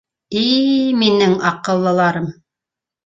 — И-и-и, минең аҡыллыларым!